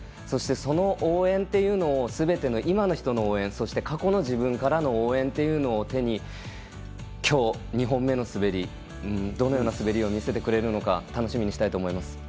そして、その応援というのをすべての今の人の応援とそして、過去の自分からの応援というのを手に今日、２本目の滑りどのような滑りを見せてくれるのか楽しみにしたいと思います。